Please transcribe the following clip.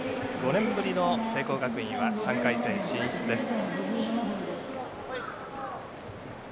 ５年ぶりの聖光学院は３回戦進出です。